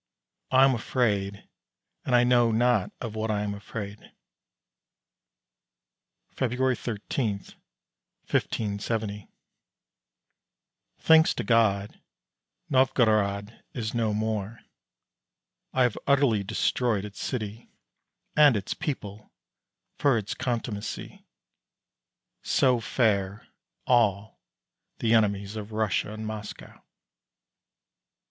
I am afraid, and I know not of what I am afraid. February 13, 1570. Thanks to God Novgorod is no more. I have utterly destroyed its city and its people for its contumacy. So fare all the enemies of Russia and of Moscow.